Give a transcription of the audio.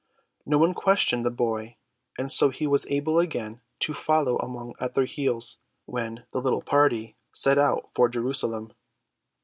No one questioned the boy and so he was able again to follow almost at their heels when the little party set out for Jerusalem.